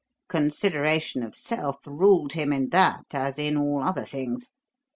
Consideration of self ruled him in that as in all other things.